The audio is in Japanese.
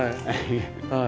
はい。